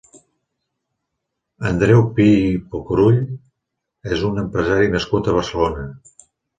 Andreu Pi Pocurull és un empresari nascut a Barcelona.